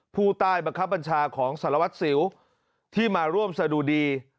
ผู้ใต้บังคับบัญชาของสารวัตรสิวที่มาร่วมสะดุดี